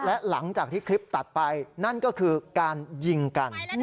และหลังจากที่คลิปตัดไปนั่นก็คือการยิงกัน